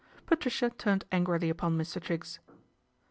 Patricia turned angrily upon Mr. Triggs.